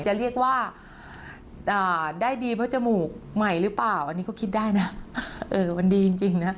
จะเรียกว่าได้ดีเพราะจมูกใหม่หรือเปล่าอันนี้ก็คิดได้นะเออมันดีจริงนะ